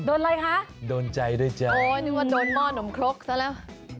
โดนอะไรคะโดนใจด้วยจ้ะโอ้ยนึกว่าโดนหม้อหนมครกซะแล้ว